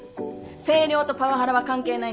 声量とパワハラは関係ないんです。